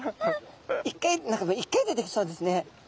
１回何か１回でできそうですね。